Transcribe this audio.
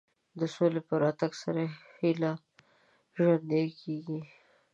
د سولې په راتګ سره هیله ژوندۍ کېږي.